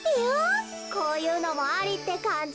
こういうのもありってかんじ。